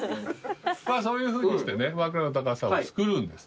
そういうふうにしてね枕の高さを作るんです。